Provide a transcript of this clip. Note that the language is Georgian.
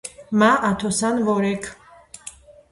მა ათოსან ვორექ